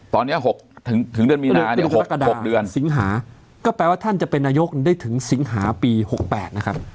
ตอนนี้๖ถึงเดือนมีนาเนี่ย๖เดือนสิงหาก็แปลว่าท่านจะเป็นนายกได้ถึงสิงหาปี๖๘นะครับ